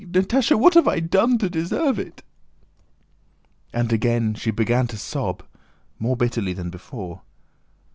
Natásha, what have I done to deserve it?..." And again she began to sob, more bitterly than before.